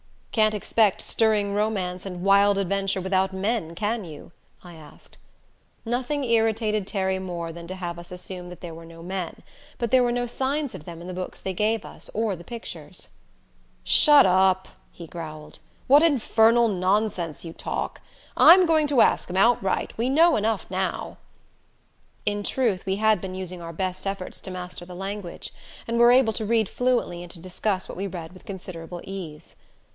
"Can't expect stirring romance and wild adventure without men, can you?" I asked. Nothing irritated Terry more than to have us assume that there were no men; but there were no signs of them in the books they gave us, or the pictures. "Shut up!" he growled. "What infernal nonsense you talk! I'm going to ask 'em outright we know enough now." In truth we had been using our best efforts to master the language, and were able to read fluently and to discuss what we read with considerable ease.